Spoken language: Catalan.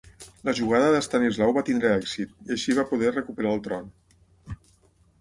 La jugada d'Estanislau va tenir èxit, i així va poder recuperar el tron.